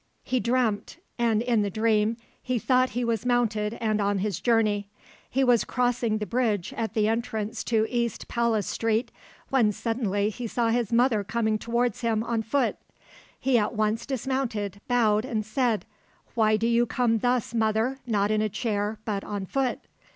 He dreamt, and in the dream he thought he was mounted and on his journey. He was crossing the bridge at the entrance to East Palace Street, when suddenly he saw his mother coming towards him on foot. He at once dismounted, bowed, and said, "Why do you come thus, mother, not in a chair, but on foot?"